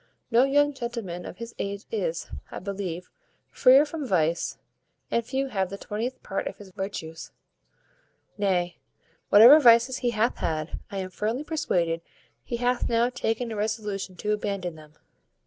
No young gentleman of his age is, I believe, freer from vice, and few have the twentieth part of his virtues; nay, whatever vices he hath had, I am firmly persuaded he hath now taken a resolution to abandon them."